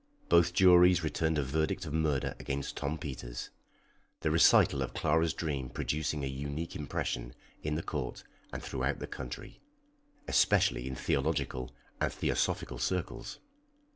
Both juries returned a verdict of murder against Tom Peters, the recital of Clara's dream producing a unique impression in the court and throughout the country, especially in theological and theosophical circles.